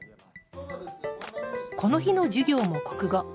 この日の授業も国語。